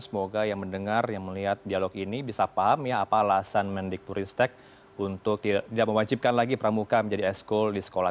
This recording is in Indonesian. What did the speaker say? semoga yang mendengar yang melihat dialog ini bisa paham ya apa alasan mendikburistek untuk tidak mewajibkan lagi pramuka menjadi eskul di sekolah